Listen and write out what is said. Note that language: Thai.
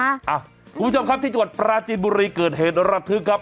คุณผู้ชมครับที่จังหวัดปราจีนบุรีเกิดเหตุระทึกครับ